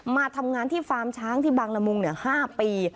มาทำงานที่ฟาร์มช้างที่บางละมุง๕ปี